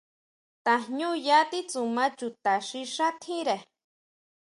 Tajñuya titsuma chuta xi xá tjíre.